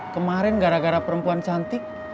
kemarin gara gara perempuan cantik